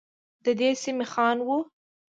ددې سمي خان وه.